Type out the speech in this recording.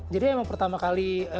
jadi emang pertama kali